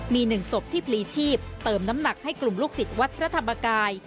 มี๑ศพที่พลีชีพเติมน้ำหนักให้กลุ่มลูกศิษย์วัดพระธรรมกาย